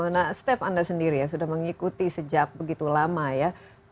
nah step anda sendiri ya sudah mengikuti sejak begitu lama ya